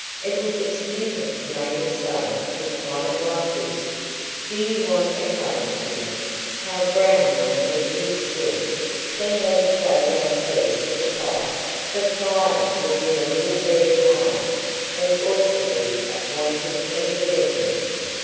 It would be stupid to make it so in a climate like this. Do you want a comb, dear? How brown your hair keeps still! Then let us go downstairs to the fire." The fire was in a little bare parlour, as austerely appointed as the bedroom.